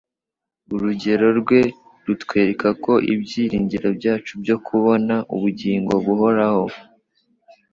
Urugero rwe rutwereka ko ibyiringiro byacu byo kubona ubugingo buhoraho